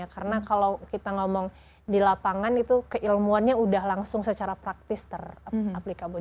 karena kalau kita ngomong di lapangan itu keilmuannya udah langsung secara praktis ter aplikabel